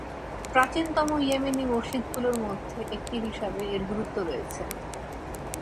প্রাচীনতম ইয়েমেনি মসজিদগুলির মধ্যে একটি হিসাবে এর গুরুত্ব রয়েছে।